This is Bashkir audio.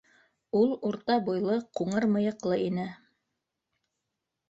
Ул урта буйлы, ҡуңыр мыйыҡлы ине.